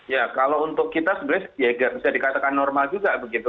ya kalau untuk kita sebenarnya ya bisa dikatakan normal juga begitu